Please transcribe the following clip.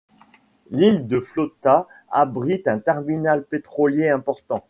L'île de Flotta abrite un terminal pétrolier important.